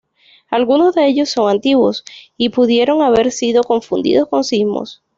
Algunos de ellos son antiguos, y pudieron haber sido confundidos con sismos.